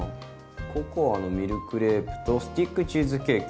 「ココアのミルクレープとスティックチーズケーキ」。